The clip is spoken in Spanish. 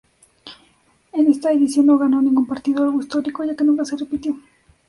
En esta edición no ganó ningún partido, algo histórico, ya que nunca se repitió.